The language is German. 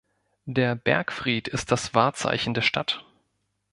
Der Bergfried ist das Wahrzeichen der Stadt.